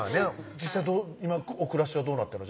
実際どう今お暮らしはどうなってんの？